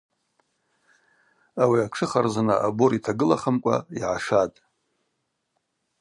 Ауи атшы харзына абора йтагылахымкӏва йгӏашатӏ.